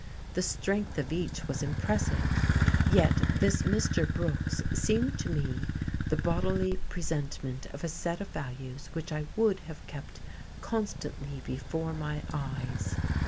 The strength of each was impressive, yet this Mr. Brooks seemed to me the bodily presentment of a set of values which I would have kept constantly before my eyes....